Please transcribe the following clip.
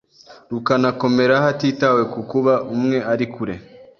rukanakomera hatitawe ku kuba umwe ari kure